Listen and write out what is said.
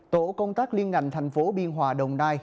tổ công tác liên ngành thành phố biên hòa đồng nai